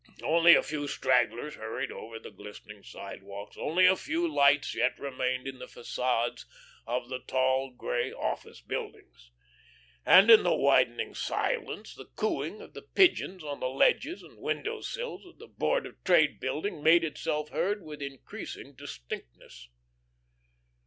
Only a few stragglers hurried over the glistening sidewalks; only a few lights yet remained in the facades of the tall, grey office buildings. And in the widening silence the cooing of the pigeons on the ledges and window sills of the Board of Trade Building made itself heard with increasing distinctness.